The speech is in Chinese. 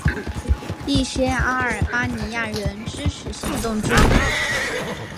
一些阿尔巴尼亚人支持行动军。